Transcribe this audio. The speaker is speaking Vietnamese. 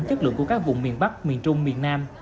chất lượng của các vùng miền bắc miền trung miền nam